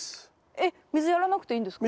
えっ水やらなくていいんですか？